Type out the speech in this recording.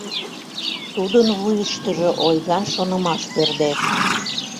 Тудын вуйыштыжо ойган шонымаш пӧрдеш.